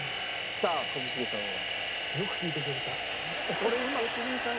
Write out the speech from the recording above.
さあ一茂さんは？